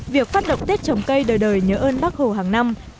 việc phát động tết trồng cây đời đời nhớ ơn bác hồ hàng năm